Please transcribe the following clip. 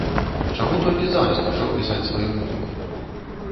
Чаму толькі зараз пачаў пісаць сваю музыку?